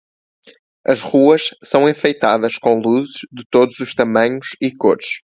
As ruas são enfeitadas com luzes de todos os tamanhos e cores.